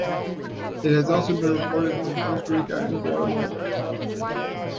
It has also been reported from Costa Rica and Guatemala.